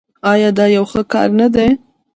آیا دا یو ښه کار نه دی؟